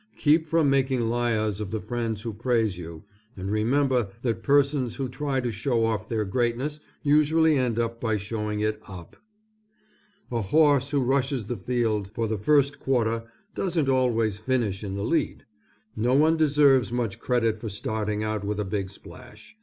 Keep from making liars of the friends who praise you, and remember that persons who try to show off their greatness usually end by showing it up. A horse who rushes the field for the first quarter doesn't always finish in the lead. No one deserves much credit for starting out with a big splash.